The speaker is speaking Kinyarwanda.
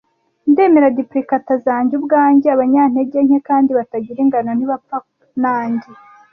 Ndemera duplicates zanjye ubwanjye, abanyantege nke kandi batagira ingano ntibapfa nanjye,